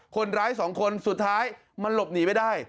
คนร้ายสองคนสุดท้ายมันหลบหนีไปได้